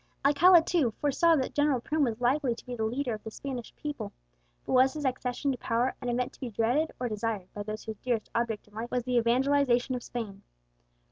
Alcala, too, foresaw that General Prim was likely to be the leader of the Spanish people: but was his accession to power an event to be desired or dreaded by those whose dearest object in life was the evangelization of Spain?